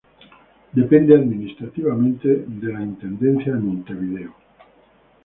Depende administrativamente de la Intendencia de Montevideo.